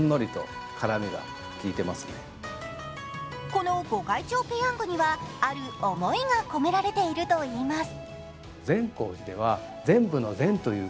このご開帳ぺヤングにはある思いが込められているといいます。